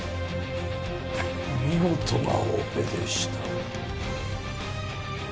見事なオペでした。